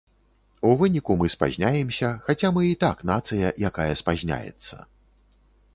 У выніку мы спазняемся, хаця мы і так нацыя, якая спазняецца.